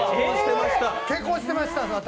結婚してました、私。